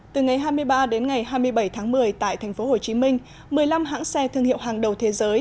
từ ngày hai mươi ba đến ngày hai mươi bảy tháng một mươi tại tp hcm một mươi năm hãng xe thương hiệu hàng đầu thế giới